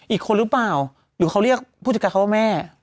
อีกคนหรือเปล่าหรือเขาเรียกผู้จัดการเขาว่าแม่